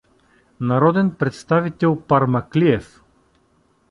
— Народен представител, Пармаклиев!